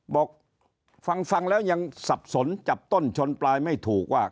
บอกฟังแล้วยังสับสนจับต้นชนปลายไม่ถูกว่า